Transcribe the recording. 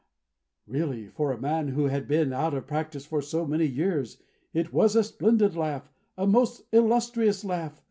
Really, for a man who had been out of practice for so many years, it was a splendid laugh, a most illustrious laugh.